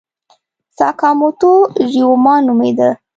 ساکاموتو ریوما نومېده.